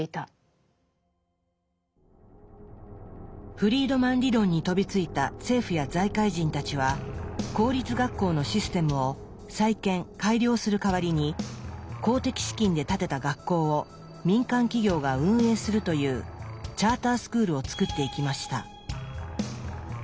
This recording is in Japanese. フリードマン理論に飛びついた政府や財界人たちは公立学校のシステムを再建改良する代わりに公的資金で建てた学校を民間企業が運営するというチャータースクールを作っていきました。